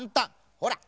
ほら！